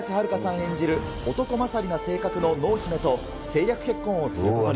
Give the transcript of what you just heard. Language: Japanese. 演じる男勝りな性格の濃姫と政略結婚をすることに。